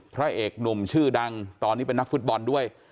พระเอกหนุ่มชื่อดังตอนนี้เป็นนักฟุตบอลด้วย